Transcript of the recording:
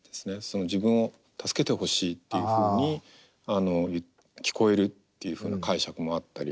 自分を助けてほしいっていうふうに聞こえるっていうふうな解釈もあったり。